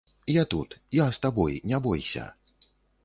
Я тут, я з табой, не бойся.